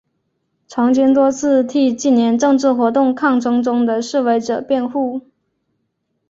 曾经多次替近年政治活动抗争中的示威者辩护。